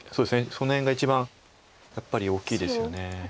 その辺が一番やっぱり大きいですよね。